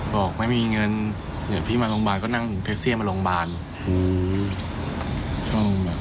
บอกไม่มีเงินเดี๋ยวพี่มาโรงพยาบาลก็นั่งแท็กซี่มาโรงพยาบาลอืม